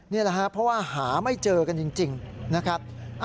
นี่แหละครับเพราะว่าหาไม่เจอกันจริงนะครับ